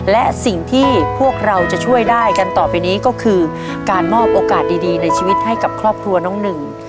และสิ่งที่พวกเราจะช่วยได้กันต่อไปนี้ก็คือการมอบโอกาสดีในชีวิตให้กับครอบครัวน้องหนึ่ง